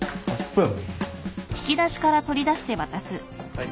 はい。